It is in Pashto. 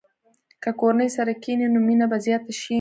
که کورنۍ سره کښېني، نو مینه به زیاته شي.